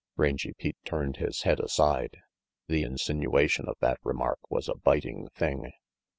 Rangy Pete turned his head aside. The insinua tion of that remark was a biting thing.